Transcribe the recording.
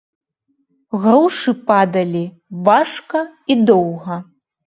Грушы падалі важка і доўга.